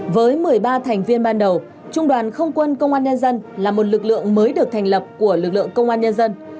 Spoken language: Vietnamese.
với một mươi ba thành viên ban đầu trung đoàn không quân công an nhân dân là một lực lượng mới được thành lập của lực lượng công an nhân dân